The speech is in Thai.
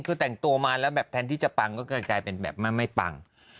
คือแต่งตัวมาแล้วแบบแทนที่จะปังก็เลยกลายเป็นแบบไม่ปัง